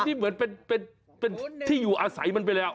เฉยเป็นที่อยู่อาก่อนไปมาแล้ว